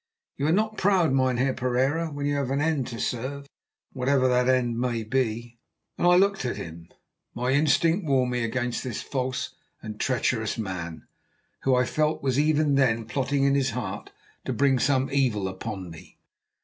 You are not proud, Mynheer Pereira, when you have an end to serve, whatever that end may be," and I looked at him. My instinct warned me against this false and treacherous man, who, I felt, was even then plotting in his heart to bring some evil upon me.